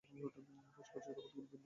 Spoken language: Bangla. পাশাপাশি, রোবটগুলোর পিণ্ডিও চটকাতে হবে।